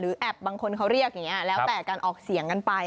แอบบางคนเขาเรียกอย่างนี้แล้วแต่การออกเสียงกันไป